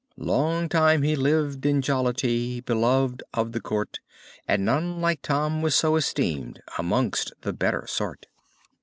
Long time he lived in jollity, Beloved of the Court, And none like Tom was so esteemed Amongst the better sort.